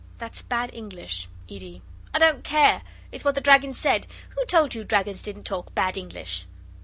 (That's bad English. ED. I don't care; it's what the dragon said. Who told you dragons didn't talk bad English?